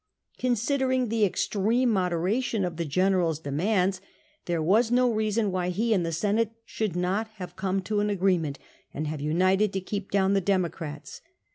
Considering the extreme moderation of the general's demands, there was no reason why he and the Senate should not have come to an agreement, and have united to keep down the Democrats.